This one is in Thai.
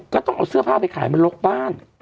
ก็ต้องเอาเสื้อผ้าไปขายมาลกบ้าน